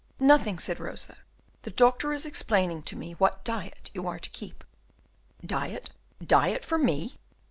"Nothing," said Rosa; "the doctor is explaining to me what diet you are to keep." "Diet, diet for me?